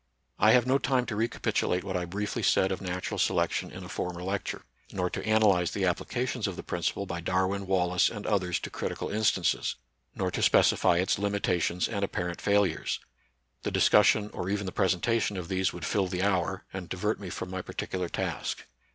I have no time to recapitiUate what I briefly said of natural selection in a former lecture ; nor to analyze the applications of the principle by Darwin, Wallace, and others to critical instances ; nor to specify its limitations and apparent fail ures. The discussion or even the presentation of these would fill the hour, and divert me from my particular task.